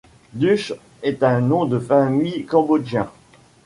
Duch est un nom de famille cambodgien.